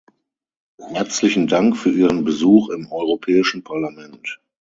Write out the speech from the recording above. Herzlichen Dank für Ihren Besuch im Europäischen Parlament.